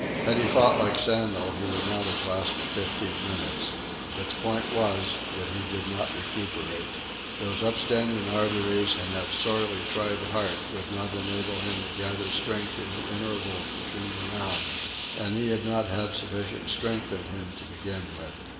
Had he fought like Sandel, he would not have lasted fifteen minutes. But the point was that he did not recuperate. Those upstanding arteries and that sorely tried heart would not enable him to gather strength in the intervals between the rounds. And he had not had sufficient strength in him to begin with.